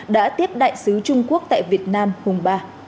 đã tiếp đại sứ trung quốc tại việt nam hùng ba